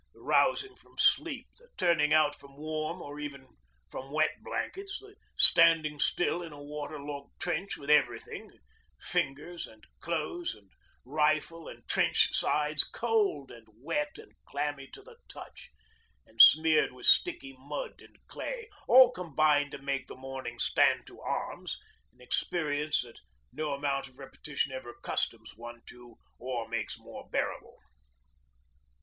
The rousing from sleep, the turning out from warm or even from wet blankets, the standing still in a water logged trench, with everything fingers and clothes and rifle and trench sides cold and wet and clammy to the touch, and smeared with sticky mud and clay, all combine to make the morning 'stand to arms' an experience that no amount of repetition ever accustoms one to or makes more bearable.